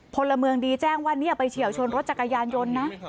พลเมืองดีแจ้งว่าเนี่ยไปเฉียวชนรถจักรยานยนต์นะ